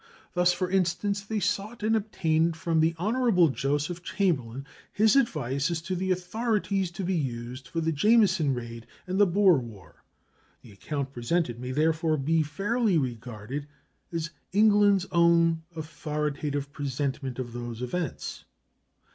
Thus, for instance, they sought and obtained from the Hon. Joseph Chamberlain his advice as to the authorities to be used for the Jameson raid and the Boer war. The account presented may therefore be fairly regarded as England's own authoritative presentment of those events.